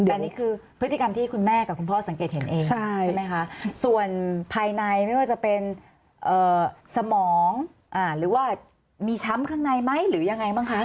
แต่อันนี้คือพฤติกรรมที่คุณแม่กับคุณพ่อสังเกตเห็นเองใช่ไหมคะส่วนภายในไม่ว่าจะเป็นสมองหรือว่ามีช้ำข้างในไหมหรือยังไงบ้างคะ